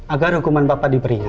agar hukuman bapak diberinya